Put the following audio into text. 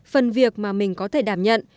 phần việc mà mình có thể đảm nhận